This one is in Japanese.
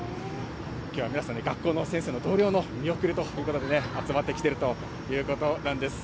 きょうは皆さんで、学校の先生の同僚の見送りということで、集まってきてるということなんです。